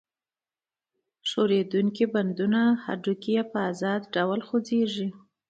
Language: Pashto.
ښورېدونکي بندونه هډوکي یې په آزاد ډول خوځېږي.